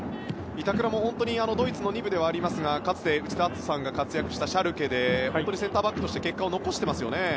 板倉もドイツの２部ではありますがかつて内田篤人さんが活躍したシャルケでセンターバックとして結果を残してますよね。